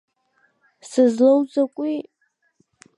Сызлоу закәи?!